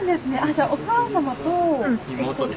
じゃあお母様と。